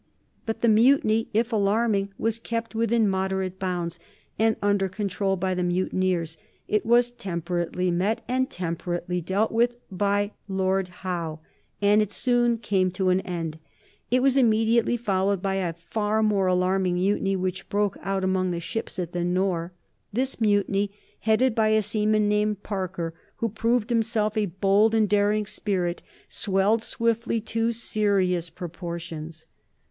But the mutiny, if alarming, was kept within moderate bounds and under control by the mutineers; it was temperately met and temperately dealt with by Lord Howe, and it soon came to an end. It was immediately followed by a far more alarming mutiny which broke out among the ships at the Nore. This mutiny, headed by a seaman named Parker, who proved himself a bold and daring spirit, swelled swiftly to serious proportions.